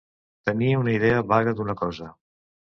Tenir una idea vaga d'una cosa.